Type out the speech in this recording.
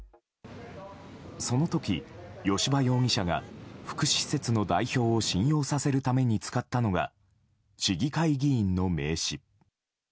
その時、吉羽容疑者が福祉施設の代表を信用させるために使ったのは市議会議員の名刺。